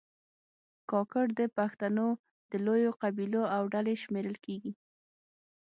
کاکړ د پښتنو د لویو قبیلو له ډلې شمېرل کېږي.